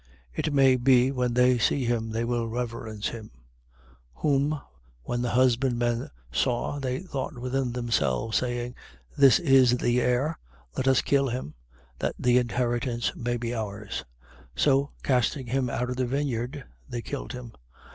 It may be, when they see him, they will reverence him. 20:14. Whom, when the husbandmen saw, they thought within themselves, saying: This is the heir. Let us kill him, that the inheritance may be ours. 20:15. So casting him out of the vineyard, they killed him.